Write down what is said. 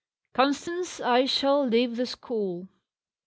"Constance, I shall leave the school!"